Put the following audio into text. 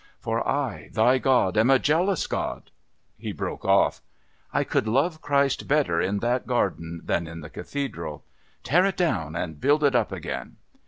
"For I, thy God, am a jealous God.'..." He broke off. "I could love Christ better in that garden than in the Cathedral. Tear it down and build it up again!"